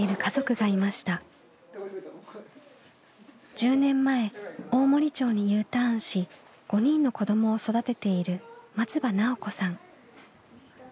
１０年前大森町にＵターンし５人の子どもを育てている松場奈緒子さん。